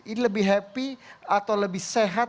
ini lebih happy atau lebih sehat